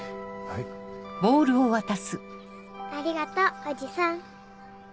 はいありがとうおじさん